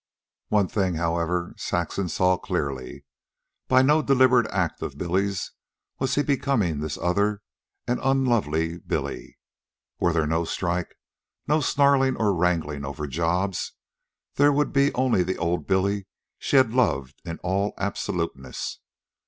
One thing, however, Saxon saw clearly. By no deliberate act of Billy's was he becoming this other and unlovely Billy. Were there no strike, no snarling and wrangling over jobs, there would be only the old Billy she had loved in all absoluteness.